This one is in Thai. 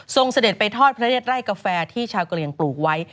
ทรงสเด็จไปทอดพระเนธไล่กาแฟที่ชาวกะเลียงปลูกไว้